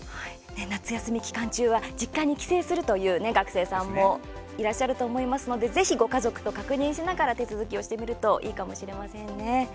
夏休み期間中は実家に帰省するという学生さんもいらっしゃると思いますのでぜひ、ご家族と確認しながら手続きをしてみるといいかもしれませんね。